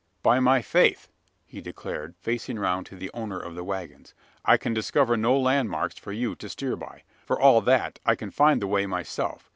"By my faith!" he declared, facing round to the owner of the waggons, "I can discover no landmarks for you to steer by. For all that, I can find the way myself.